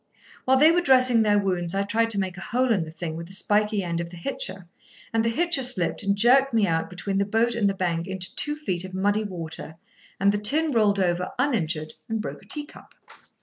While they were dressing their wounds, I tried to make a hole in the thing with the spiky end of the hitcher, and the hitcher slipped and jerked me out between the boat and the bank into two feet of muddy water, and the tin rolled over, uninjured, and broke a teacup.